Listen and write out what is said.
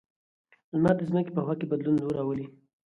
لمر د ځمکې په هوا کې بدلون راولي.